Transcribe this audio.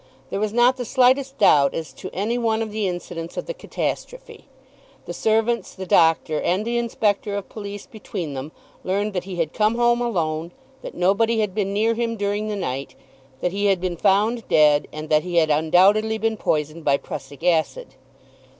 There was not the slightest doubt as to any one of the incidents of the catastrophe. The servants, the doctor, and the inspector of police between them, learned that he had come home alone, that nobody had been near him during the night, that he had been found dead, and that he had undoubtedly been poisoned by prussic acid.